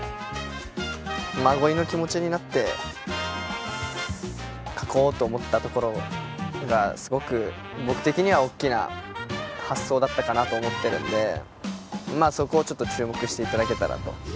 真鯉の気持ちになって書こうと思ったところがすごく僕的には大きな発想だったかなと思ってるんでそこをちょっと注目して頂けたらと。